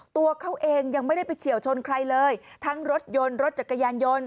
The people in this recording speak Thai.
ตัวเขาเองยังไม่ได้ไปเฉียวชนใครเลยทั้งรถยนต์รถจักรยานยนต์